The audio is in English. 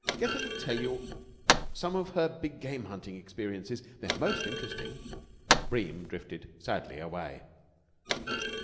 Get her to tell you some of her big game hunting experiences. They are most interesting." Bream drifted sadly away.